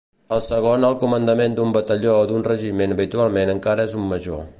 El segon al comandament d'un batalló o d'un regiment habitualment encara és un major.